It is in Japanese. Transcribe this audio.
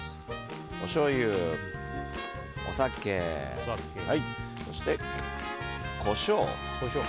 おしょうゆ、お酒そしてコショウ。